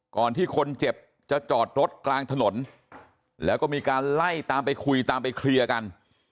ก่อนที่คนเจ็บจะจอดรถกลางถนนแล้วก็มีการไล่ตามไปคุยตามไปเคลียร์กัน